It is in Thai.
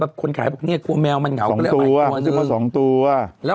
แล้วความเป็นแมวมันเหงา